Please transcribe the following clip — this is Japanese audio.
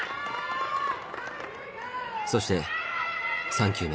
そして３球目。